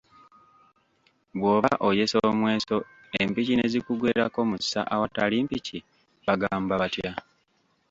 Bw'oba oyesa omweso empiki ne zikugwerako mu ssa awatali mpiki bagamba batya?